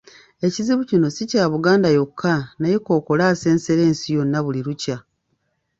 Ekizibu kino si kya Buganda yokka naye kkookolo asensera ensi yonna buli lukya.